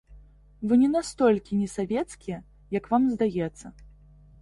Вы не настолькі несавецкія, як вам здаецца.